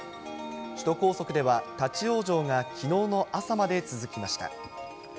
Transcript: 首都高速では、立往生がきのうの朝まで続きました。